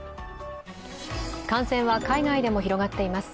感染は海外でも広がっています。